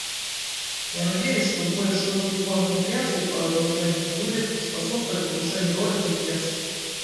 Я надеюсь, что более широкий форум Конференции по разоружению будет способствовать повышению роли Конференции.